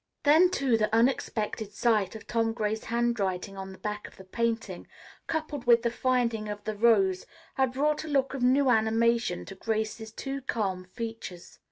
Then, too, the unexpected sight of Tom Gray's handwriting on the back of the painting, coupled with the finding of the rose, had brought a look of new animation to Grace's too calm features.